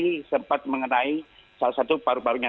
ini sempat mengenai salah satu paru parunya